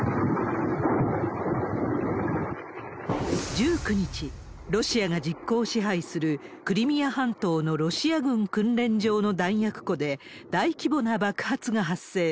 １９日、ロシアが実効支配するクリミア半島のロシア軍訓練場の弾薬庫で、大規模な爆発が発生。